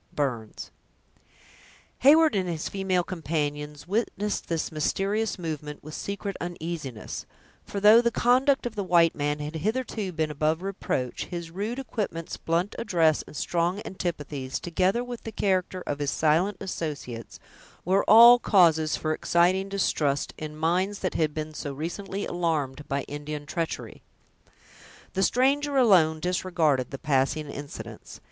—Burns Heyward and his female companions witnessed this mysterious movement with secret uneasiness; for, though the conduct of the white man had hitherto been above reproach, his rude equipments, blunt address, and strong antipathies, together with the character of his silent associates, were all causes for exciting distrust in minds that had been so recently alarmed by Indian treachery. The stranger alone disregarded the passing incidents.